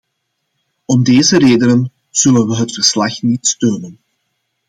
Om deze redenen zullen we het verslag niet steunen.